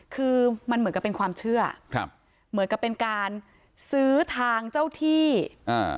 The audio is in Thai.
คือมันเหมือนกับเป็นความเชื่อครับเหมือนกับเป็นการซื้อทางเจ้าที่อ่า